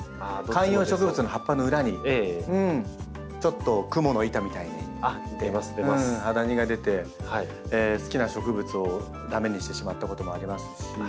観葉植物の葉っぱの裏にちょっとクモの糸みたいにハダニが出て好きな植物を駄目にしてしまったこともありますし。